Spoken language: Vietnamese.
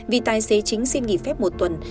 vì tài xế chính xin nghỉ phép một tuần